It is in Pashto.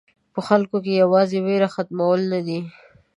په خلکو کې یوازې وېره ختمول نه دي.